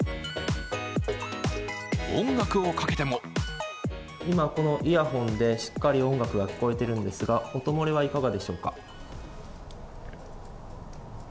音楽をかけても今このイヤホンでしっかり音楽が聞こえているんですが音漏れはいかがでしょうか？